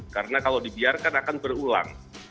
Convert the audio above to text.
karena kalau dibiarkan akan berulang